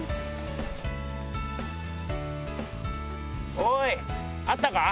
おいあったか？